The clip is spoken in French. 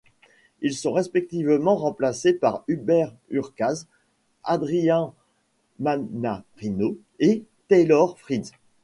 Ils sont respectivement remplacés par Hubert Hurkacz, Adrian Mannarino et Taylor Fritz.